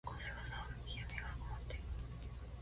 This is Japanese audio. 風がざわめき、闇が深まっていく。